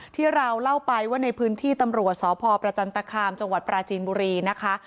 ที่เราเล่าไปว่าในพื้นที่ตำรวจสพประจันตคามจังหวัดปราจีนบุรีนะคะ